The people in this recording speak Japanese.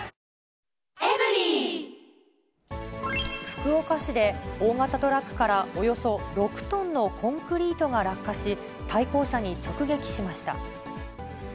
福岡市で大型トラックからおよそ６トンのコンクリートが落下し、対向車に直撃しました。